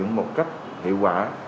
và có một cách hiệu quả